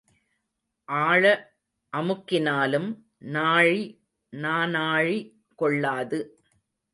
ஆழ அமுக்கினாலும் நாழி நானாழி கொள்ளாது.